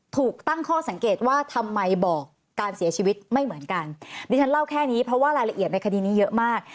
ถูกตั้งข้อสังเกตว่าทำไมบอกการเสียชีวิตไม่เหมือนกันดิฉันเล่าแค่นี้เพราะว่ารายละเอียดในคดีนี้เยอะมาก